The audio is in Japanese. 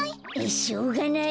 しょうがない。